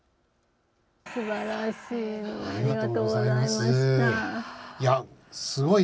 すばらしい！